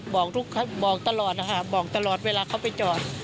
บอกลูกค้าบอกตลอดนะคะบอกตลอดเวลาเขาไปจอด